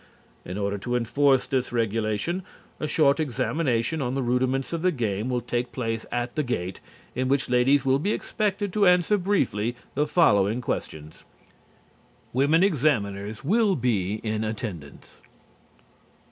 In order to enforce this regulation, a short examination on the rudiments of the game will take place at the gate, in which ladies will be expected to answer briefly the following questions: (Women examiners will be in attendance.)